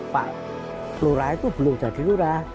pak lurah itu belum jadi lurah